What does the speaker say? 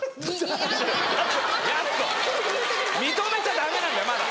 認めちゃダメなんだよまだ。